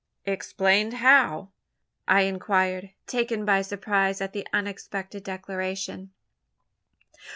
"Explained! How?" I inquired, taken by surprise at the unexpected declaration.